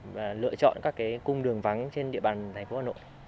và lựa chọn các cái cung đường vắng trên địa bàn thành phố hà nội